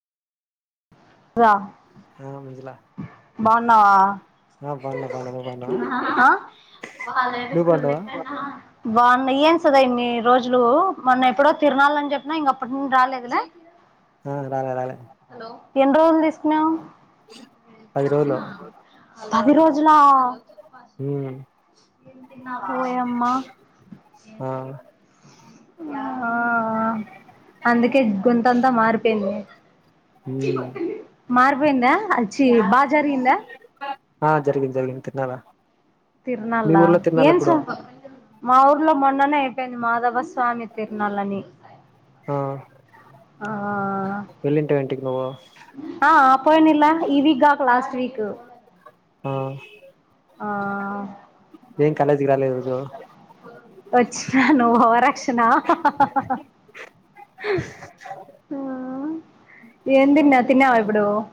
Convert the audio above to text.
[unintelligible] బన్నావా ఆ బాగున్నా బాగున్నా నువ్వు బాగున్నావా హ. నువ్వు బాగున్నావా బావున్నాయా సదా ఇన్ని రోజులు, మొన్న ఎప్పుడో తిరుణళ్ళని చెప్పినా, ఇంక అప్పటి నుండి, రాలేదు లె ఆ రాలే రాలే. ఏడ్రోజులు తీసుకున్నావు. పది రోజులు [inaudible] పది రోజుల. ఉమ్ చెప్పలి. ఓయ అమ్మా. ఆ ఆ అ అందుకే, గొతంతా, మారిపోయింది. ఉమ్ మారపోయిందా. అచ్చి బాజారిగిందా. ఆ జరిగింది, జరిగింది తిన్నారా. తిర్నల్ ల, మా ఊర్లో మొన్ననే ఐ. మద బస్సు. స్వామి తిరనల్ అని ఆ ఆ వెళ్ళింటివి ఇంటికి నువ్వు ఆ పొయినెల ఇవి గాక. అశ్రీకు. ఆ ఏం కాలేజీకి రాలేదు. ఈరోజు వచ్చినా నువ్వు ఓవరాక్షన్ ఏం తిన్నావ్ తిన్నావా ఇప్పుడు